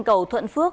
công an huyện bát sát